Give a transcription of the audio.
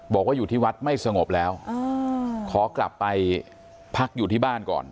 บอกว่าอยู่ที่วัดไม่สงบแล้วขอกลับไปพักอยู่ที่บ้านก่อน